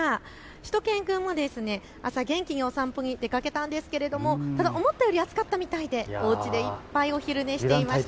しゅと犬くんも朝、元気にお散歩に出かけたんですけれどもただ思ったより暑かったみたいでおうちでいっぱいお昼寝をしたりしていました。